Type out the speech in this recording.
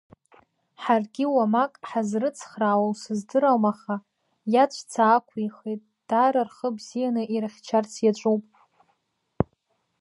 Ҳаргьы уамак ҳазрыцхраауоу сыздыруам аха, иаҵәца аақәихит, дара рхы бзианы ирыхьчарц иаҿуп.